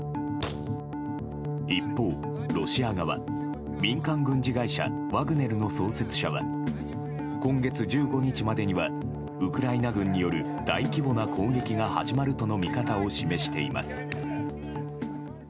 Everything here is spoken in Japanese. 一方、ロシア側民間軍事会社ワグネルの創設者は今月１５日までにはウクライナ軍による大規模な攻撃が始まるとの見方を示しています。